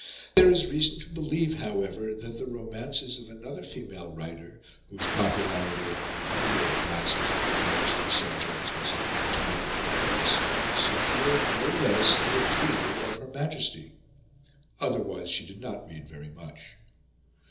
There is reason to believe, however, that the romances of another female writer, whose popularity among the humbler classes of Her Majesty's subjects was at one time enormous, secured, no less, the approval of Her Majesty. Otherwise she did not read very much.